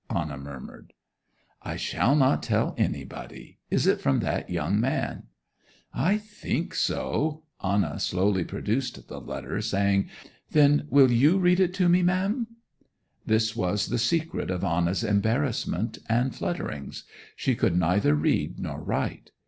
Anna murmured. 'I shall not tell anybody. Is it from that young man?' 'I think so.' Anna slowly produced the letter, saying: 'Then will you read it to me, ma'am?' This was the secret of Anna's embarrassment and flutterings. She could neither read nor write.